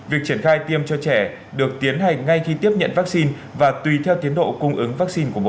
việc triển khai tiêm cho trẻ được tiến hành ngay khi tiếp nhận vaccine và tùy theo tiến độ cung ứng vaccine của bộ y tế